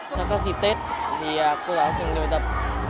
trong các dịp tết thì cô giáo học sinh đều bài tập